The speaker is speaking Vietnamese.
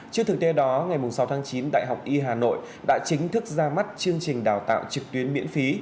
trước thực tế đó ngày sáu tháng chín đại học y hà nội đã chính thức ra mắt chương trình đào tạo trực tuyến miễn phí